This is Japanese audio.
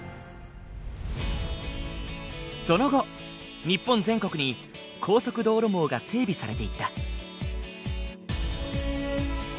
その後日本全国に高速道路網が整備されていった。